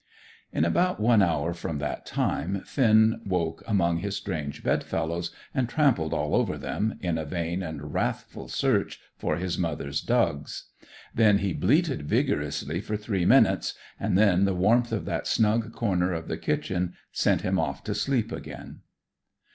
In about one hour from that time, Finn woke among his strange bedfellows, and trampled all over them, in a vain and wrathful search for his mother's dugs. Then he bleated vigorously for three minutes; and then the warmth of that snug corner of the kitchen sent him off to sleep again.